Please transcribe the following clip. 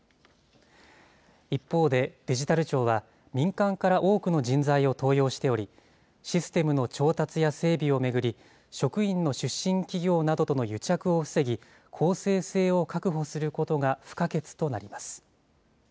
一方で、デジタル庁は民間から多くの人材を登用しており、システムの調達や整備を巡り、職員の出身企業などとの癒着を防ぎ、公正性を確保することが不可欠となります。